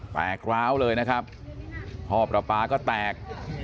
กร้าวเลยนะครับท่อประปาก็แตก